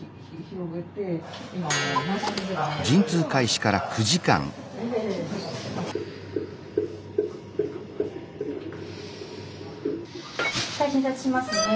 一回診察しますね